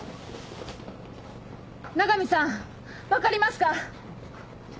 永見さん分かりますか？